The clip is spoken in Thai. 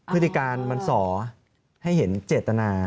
พฤติการมันสอให้เห็นเจตนา